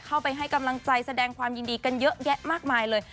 ให้กำลังใจแสดงความยินดีกันเยอะแยะมากมายเลย